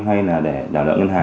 hay là để đảo nợ ngân hàng